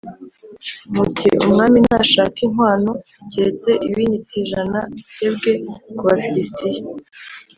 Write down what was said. muti ‘Umwami ntashaka inkwano, keretse ibinyita ijana bikebwe ku Bafilisitiya’